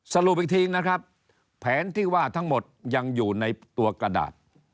สรุปอีกทีนะครับแผนที่ว่าทั้งหมดยังอยู่ในตัวกระดาษ